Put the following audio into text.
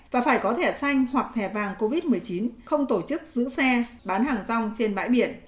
và phải có thẻ xanh hoặc thẻ vàng covid một mươi chín không tổ chức giữ xe bán hàng rong trên bãi biển